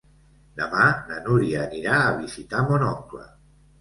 Demà na Núria anirà a visitar mon oncle.